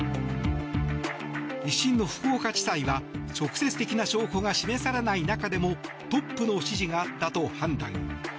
１審の福岡地裁は直接的な証拠が示されない中でもトップの指示があったと判断。